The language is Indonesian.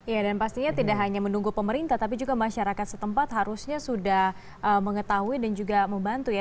ya dan pastinya tidak hanya menunggu pemerintah tapi juga masyarakat setempat harusnya sudah mengetahui dan juga membantu ya